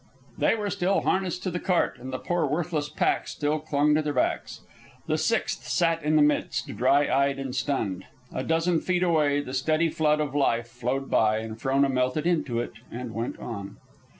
They were still harnessed to the cart, and the poor worthless packs still clung to their backs, The sixth sat in the midst, dry eyed and stunned. A dozen feet away the steady flood of life flowed by and Frona melted into it and went on.